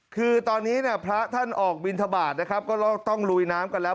คือตอนนี้เนี่ยพระท่านออกบินทบาทนะครับก็ต้องลุยน้ำกันแล้ว